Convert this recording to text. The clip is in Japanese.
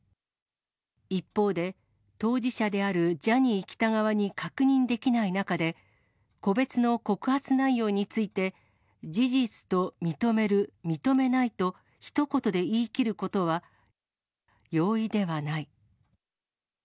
一方で、当事者であるジャニー喜多川に確認できない中で、個別の告発内容について、事実と認める、認めないとひと言で言い切ることは容易ではない。